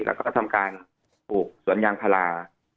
แล้วก็ทำการปลูกสวนยางพารา